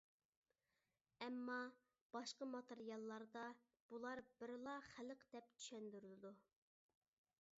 ئەمما، باشقا ماتېرىياللاردا بۇلار بىرلا خەلق دەپ چۈشەندۈرۈلىدۇ.